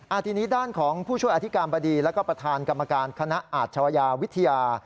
ทีนี้ด้านของผู้ช่วยอธิการบดีแล้วก็ประธานกรรมการคณะอาชวยาวิทยา